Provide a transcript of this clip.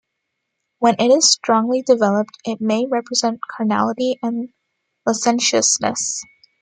When it is strongly developed, it may represent carnality and licentiousness.